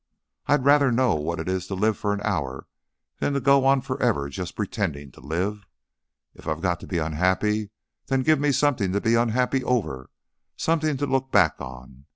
I'd rather know what it is to live for an hour than to go on forever just pretending to live. If I've got to be unhappy, then give me something to be unhappy over; something to look back on.